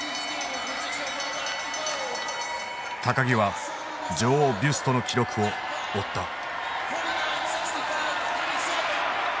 木は女王ビュストの記録を追った。